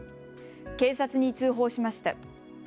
警察に通報しました。